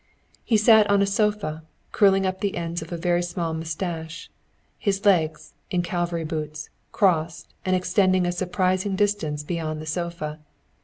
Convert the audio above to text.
He sat on a sofa, curling up the ends of a very small mustache, his legs, in cavalry boots, crossed and extending a surprising distance beyond the sofa.